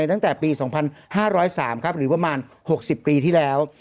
ตั้งแต่ปี๒๕๐๓ครับหรือประมาณ๖๐ปีที่แล้ว